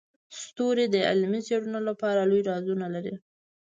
ستوري د علمي څیړنو لپاره لوی رازونه لري.